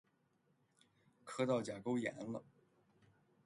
磕到甲沟炎了！